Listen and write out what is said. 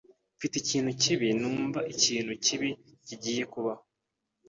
Mfite ikintu kibi numva ikintu kibi kigiye kubaho.